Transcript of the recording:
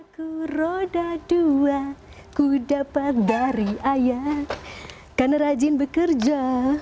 kuroda dua ku dapat dari ayat karena rajin bekerja